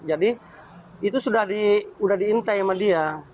jadi itu sudah diintai sama dia